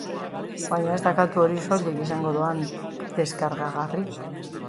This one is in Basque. Baina ez da kantu hori soilik izango doan deskargagarri.